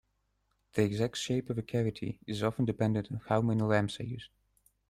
The exact shape of the cavity is often dependent on how many lamps are used.